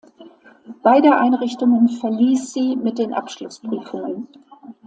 Beide Einrichtungen verließ sie mit den Abschlussprüfungen.